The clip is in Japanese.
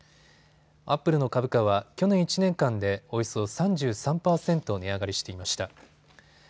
アップルの株価は去年１年間でおよそ３３％値上がりしていました。